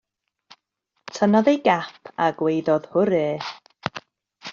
Tynnodd ei gap a gwaeddodd hwrê.